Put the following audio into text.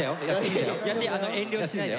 遠慮しないで。